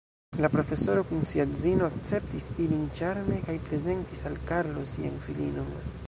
La profesoro kun sia edzino akceptis ilin ĉarme kaj prezentis al Karlo sian filinon.